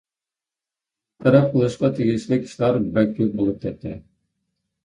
بىر تەرەپ قىلىشقا تېگىشلىك ئىشلار بەك كۆپ بولۇپ كەتتى.